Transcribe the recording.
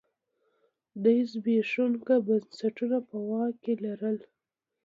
دوی زبېښونکي بنسټونه په واک کې لرل.